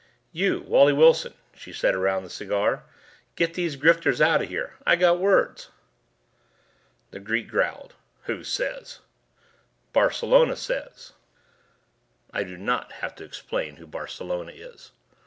"You, Wally Wilson," she said around the cigar, "get these grifters out of here. I got words." The Greek growled. "Who says?" "Barcelona says." I do not have to explain who Barcelona is.